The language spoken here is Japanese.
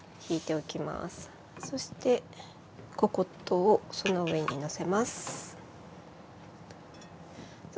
そしてココットをその上にのせます。